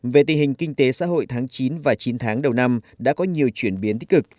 về tình hình kinh tế xã hội tháng chín và chín tháng đầu năm đã có nhiều chuyển biến tích cực